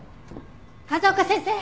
風丘先生！